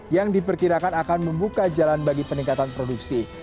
yang diperkirakan akan membuka jalan bagi peningkatan produksi